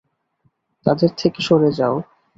তাদের থেকে সরে যাও।